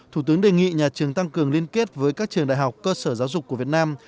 thủ tướng đề nghị nhà trường tăng cường liên kết với các trường đại học cơ sở giáo dục của việt nam